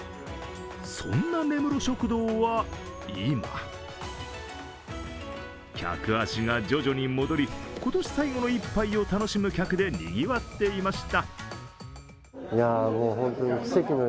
そんな根室食堂は今、客足が徐々に戻り、今年最後の１杯を楽しむ客でにぎわっていました。